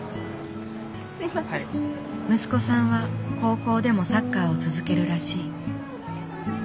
息子さんは高校でもサッカーを続けるらしい。